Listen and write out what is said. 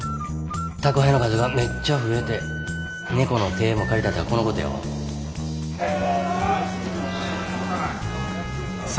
宅配の数がめっちゃ増えて「猫の手も借りたい」とはこのことやわ。